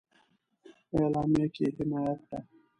اعلامیه کې حمایه کړه.